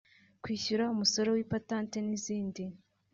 kwishyura umusoro w’ipatante n’izindi